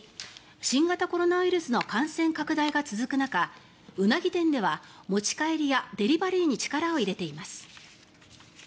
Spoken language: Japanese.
新型コロナウイルスの感染拡大が続く中ウナギ店では持ち帰りやデリバリーに力を入れています。